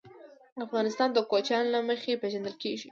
افغانستان د کوچیان له مخې پېژندل کېږي.